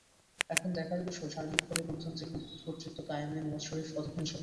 এখন দেখার বিষয়, সার্বিকভাবে গণতান্ত্রিক কর্তৃত্ব কায়েমে নওয়াজ শরিফ কতখানি সফল হন।